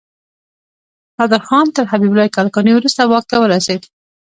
نادر خان تر حبيب الله کلکاني وروسته واک ته ورسيد.